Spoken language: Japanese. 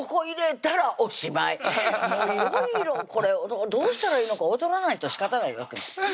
もういろいろこれどうしたらいいのか踊らないとしかたないわけです